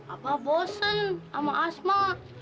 abah bosen sama asma